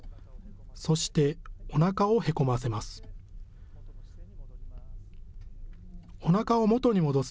そして、おなかをへこませます。